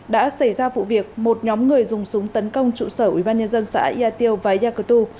đã xảy ra vụ việc một nhóm người dùng súng tấn công trụ sở ủy ban nhân dân xã yà tiêu và yà cơ tù